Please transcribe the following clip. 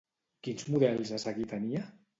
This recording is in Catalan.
Quins models a seguir tenia?